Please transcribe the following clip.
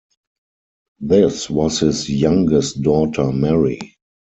This was his youngest daughter Mary.